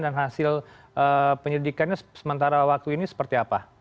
dan hasil penyelidikannya sementara waktu ini seperti apa